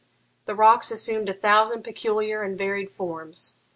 The rocks assumed a thousand peculiar and varied forms.